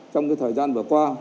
trong cái thời gian vừa qua